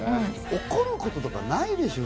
怒ることとかないでしょ。